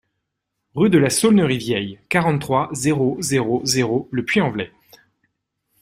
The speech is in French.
Rue de la Saulnerie Vieille, quarante-trois, zéro zéro zéro Le Puy-en-Velay